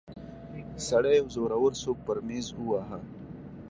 سړي يو زورور سوک پر ميز وواهه.